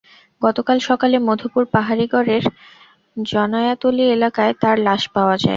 গতকাল সকালে মধুপুর পাহাড়ি গড়ের জয়নাতলী এলাকায় তাঁর লাশ পাওয়া যায়।